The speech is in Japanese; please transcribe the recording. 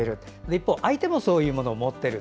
一方、相手もそういうものを持っている。